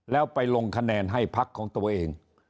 แล้วไปลงคะแนนให้พักของตัวเอง